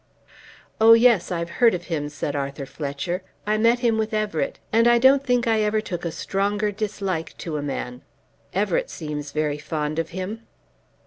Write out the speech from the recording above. "Oh, yes, I've heard of him," said Arthur Fletcher. "I met him with Everett, and I don't think I ever took a stronger dislike to a man. Everett seems very fond of him."